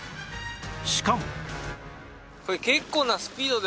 しかも